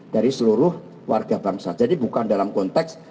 dari seluruh warga bangsa jadi bukan dalam konteks